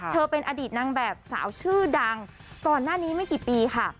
เป็นอดีตนางแบบสาวชื่อดังก่อนหน้านี้ไม่กี่ปีค่ะ